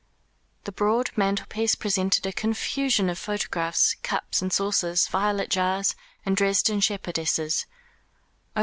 The broad mantelpiece presented a confusion of photographs, cups and saucers, violet jars, and Dresden shepherdesses.